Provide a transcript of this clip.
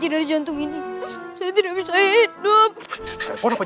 tidak ada yang bisa dikawal